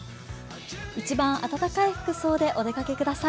一番暖かい服装でお出かけください。